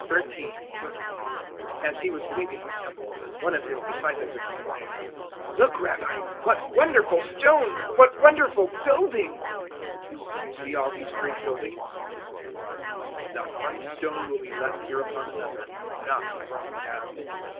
013:001 As He was leaving the Temple, one of His disciples exclaimed, "Look, Rabbi, what wonderful stones! what wonderful buildings!" 013:002 "You see all these great buildings?" Jesus replied; "not one stone will be left here upon another not thrown down."